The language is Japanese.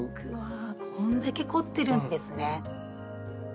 こんだけ凝ってるんですね。